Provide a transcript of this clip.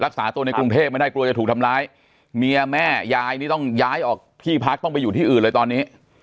รักษาตัวในกรุงเทพไม่ได้กลัวจะถูกทำร้ายเมียแม่ยายนี่ต้องย้ายออกที่พักต้องไปอยู่ที่อื่นเลยตอนนี้